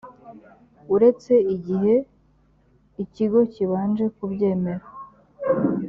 uretse igihe ikigo kibanje kubyemera